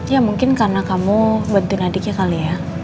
ya mungkin karena kamu bantuin adiknya kali ya